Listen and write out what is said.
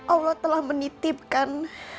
allah telah menitipkan